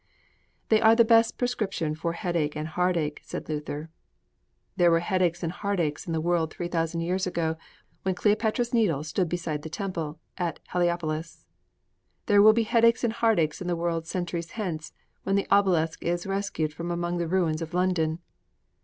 'They are the best prescription for headache and heartache!' said Luther. There were headaches and heartaches in the world three thousand years ago, when Cleopatra's Needle stood beside the Temple at Heliopolis! There will be headaches and heartaches in the world centuries hence, when the obelisk is rescued from among the ruins of London!